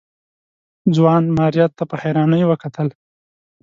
ځوان ماريا ته په حيرانۍ وکتل.